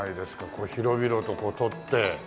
こう広々と取って。